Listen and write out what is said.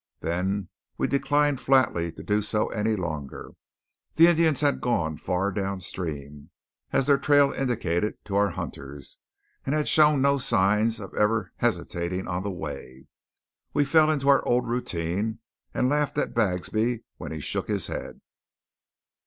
Then we declined flatly to do so any longer. The Indians had gone far downstream, as their trail indicated to our hunters, and had shown no signs of even hesitating on the way. We fell into our old routine, and laughed at Bagsby when he shook his head.